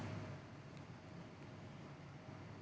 sementara itu partai nasdem pun masih mau fokus pada rekapitulasi suara kpu